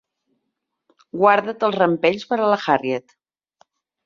Guarda't els rampells per a la Harriet.